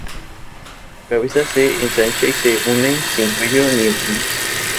La cabeza se ensancha y se une sin cuello ni hombros.